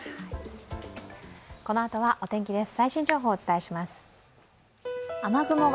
このあとはお天気です。